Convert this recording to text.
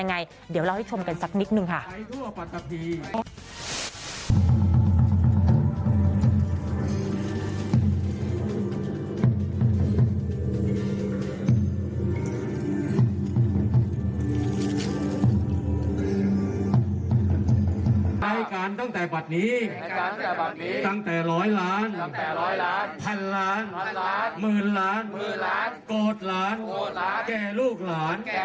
ในการตั้งแต่บัตรนี้ตั้งแต่ร้อยล้านพันล้านหมื่นล้านกดล้านแก่ลูกหลาน